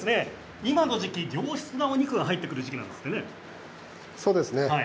今の時期は良質なお肉が入ってくる時期なんですね。